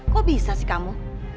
kok bisa sih kamu